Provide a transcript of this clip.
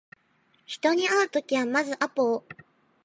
人に会うときはまずアポを